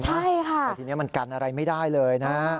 ใช่ค่ะแต่ทีนี้มันกันอะไรไม่ได้เลยนะฮะ